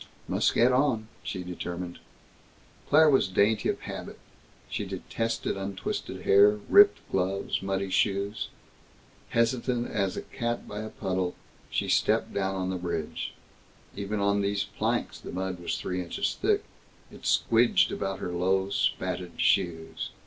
"Must get on," she determined. Claire was dainty of habit. She detested untwisted hair, ripped gloves, muddy shoes. Hesitant as a cat by a puddle, she stepped down on the bridge. Even on these planks, the mud was three inches thick. It squidged about her low, spatted shoes.